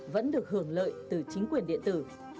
vẫn được hưởng lợi từ chính quyền địa tử